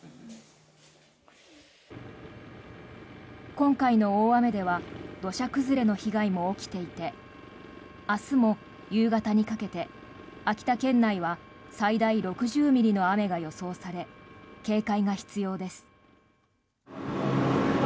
今回の大雨では土砂崩れの被害も起きていて明日も夕方にかけて秋田県内は最大６０ミリの雨が予想され警戒が必要です。